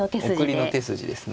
送りの手筋ですね。